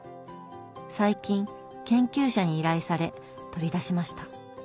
最近研究者に依頼され取り出しました。